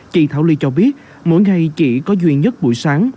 chị thảo ly cho biết mỗi ngày chỉ có duy nhất buổi sáng